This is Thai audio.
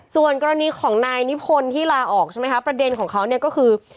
ส่วนกรณีของนายนิพนธ์ที่ลาออกใช่ไหมคะประเด็นของเขาเนี่ยก็คือ